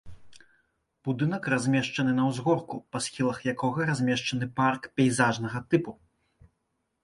Будынак размешчаны на ўзгорку, па схілах якога размешчаны парк пейзажнага тыпу.